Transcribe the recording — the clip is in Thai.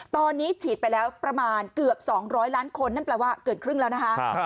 ตอนนี้ฉีดไปแล้วประมาณเกือบ๒๐๐ล้านคนนั่นแปลว่าเกินครึ่งแล้วนะคะ